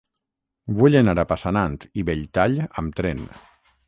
Vull anar a Passanant i Belltall amb tren.